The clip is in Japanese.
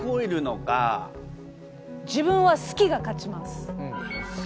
自分は好きが勝ちます。